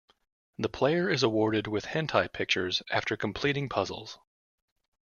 The player is awarded with hentai pictures after completing puzzles.